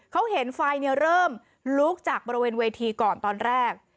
เขาเห็นไฟเริ่มลุกจากบริเวณเวทีก่อนตอนแรก